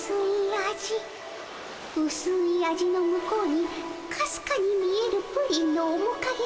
うすい味の向こうにかすかに見えるプリンのおもかげ。